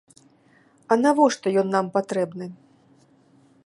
А навошта ён нам патрэбны?